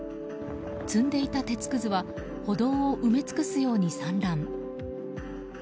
積んでいた鉄くずは歩道を埋め尽くすように散乱。